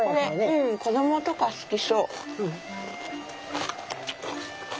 うん子供とか好きそう。